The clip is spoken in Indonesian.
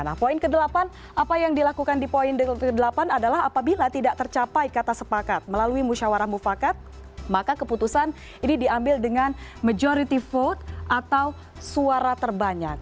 nah poin ke delapan apa yang dilakukan di poin delta ke delapan adalah apabila tidak tercapai kata sepakat melalui musyawarah mufakat maka keputusan ini diambil dengan majority vote atau suara terbanyak